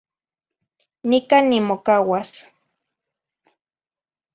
Nicah nimocauas.